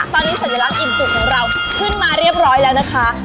ตอนนี้สัญลักษณ์อิ่มจุกของเราขึ้นมาเรียบร้อยแล้วนะคะ